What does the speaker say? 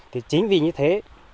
thì chính vì như thế